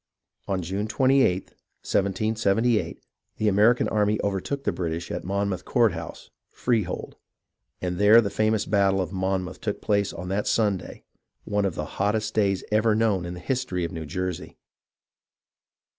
On June 28th, 1778, the American army overtook the British at Monmouth Courthouse (Freehold), and there the famous battle of Monmouth took place on that Sun day, one of the hottest days ever known in the history of New Jersey.